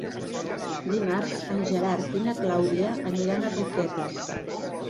Dimarts en Gerard i na Clàudia aniran a Roquetes.